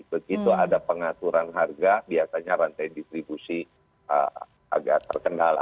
begitu ada pengaturan harga biasanya rantai distribusi agak terkendala